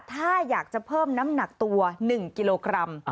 ถ้าอยากจะเพิ่มน้ำหนักตัว๑กิโลกรัม